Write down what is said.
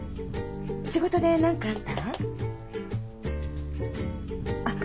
仕事で何かあった？あっ。